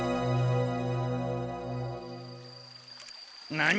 何？